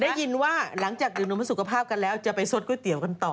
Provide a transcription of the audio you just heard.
ได้ยินว่าหลังจากดื่มนมสุขภาพกันแล้วจะไปสดก๋วยเตี๋ยวกันต่อ